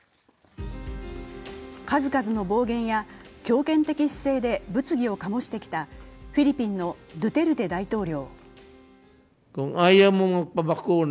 数々の暴言や強権的姿勢で物議を醸してきたフィリピンのドゥテルテ大統領。